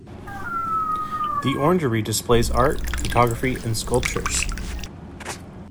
The orangerie displays art, photography and sculptures.